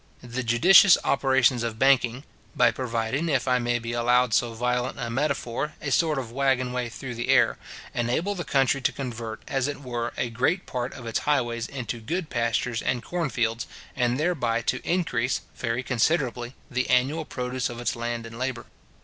The judicious operations of banking, by providing, if I may be allowed so violent a metaphor, a sort of waggon way through the air, enable the country to convert, as it were, a great part of its highways into good pastures, and corn fields, and thereby to increase, very considerably, the annual produce of its land and labour.